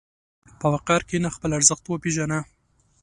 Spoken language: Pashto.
په وقار کښېنه، خپل ارزښت وپېژنه.